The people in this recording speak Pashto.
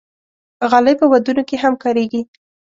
غالۍ په ودونو کې هم کارېږي.